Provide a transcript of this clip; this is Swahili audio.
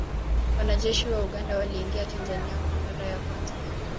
Wanajeshi wa Uganda waliingia Tanzania kwa mara ya kwanza